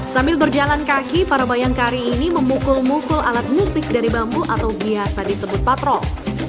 sambil berjalan kaki para bayangkari ini memukul mukul alat musik dari bambu atau biasa disebut patrol